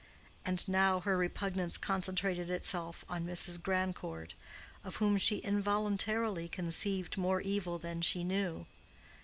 And now her repugnance concentrated itself on Mrs. Grandcourt, of whom she involuntarily conceived more evil than she knew.